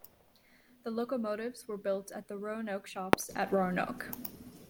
The locomotives were built at the Roanoke Shops at Roanoke.